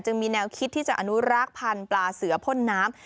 มีแนวคิดที่จะอนุรักษ์พันธุ์ปลาเสือพ่นน้ำ